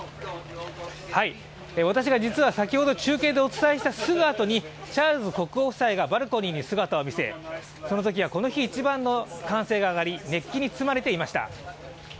私が実は先ほど中継でお伝えしたすぐあとにチャールズ国王夫妻がバルコニーに姿を見せ、そのときは、この日一番の歓声が上がり、熱気に包まれていました。